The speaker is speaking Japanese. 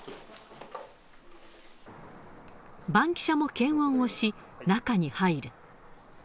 バンキシャも検温をし、中に入る。